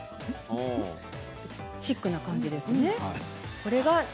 シックな感じですね。